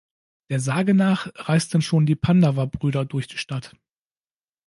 Der Sage nach reisten schon die Pandava-Brüder durch die Stadt.